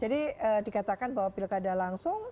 jadi dikatakan bahwa pilkada langsung